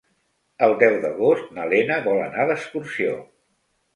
El deu d'agost na Lena vol anar d'excursió.